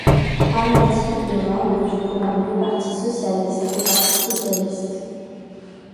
Hammadi est membre du courant Nouveau Parti socialiste au Parti socialiste.